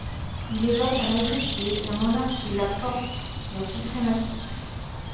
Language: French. Il évoque la majesté, la monarchie, la force, la suprématie.